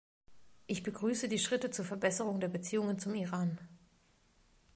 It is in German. Ich begrüße die Schritte zur Verbesserung der Beziehungen zum Iran.